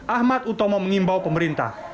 ahmad utomo mengimbau pemerintah